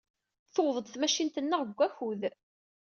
Tuweḍ-d tmacint-nneɣ deg wakud.